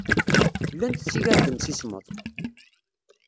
Llant tsigar deg yemsismeḍ.